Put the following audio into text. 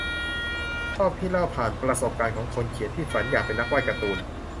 ชอบที่เล่าผ่านประสบการณ์ของคนเขียนที่ฝันอยากเป็นนักวาดการ์ตูน